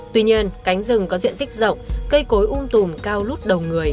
tuy nhiên cánh rừng có diện tích rộng cây cối um tùm cao lút đầu người